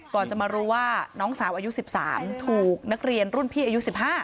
ก่อนจะมารู้ว่าน้องสาวอายุ๑๓ถูกนักเรียนรุ่นพี่อายุ๑๕